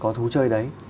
có thú chơi đấy